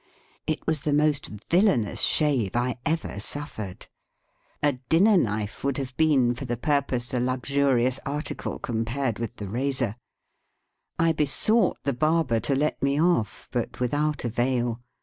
It was the most villainous shave I ever Digitized by VjOOQIC 60 EAST BY WEST. suffered. A dinner knife would have been for the purpose a luxurious article compared with the razor. I besought the barber to let me off, but without avail.